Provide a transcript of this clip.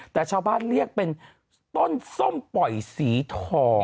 แต่ชาวบ้านเรียกเป็นต้นส้มปล่อยสีทอง